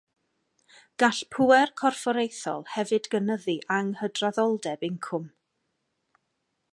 Gall pŵer corfforaethol hefyd gynyddu anghydraddoldeb incwm.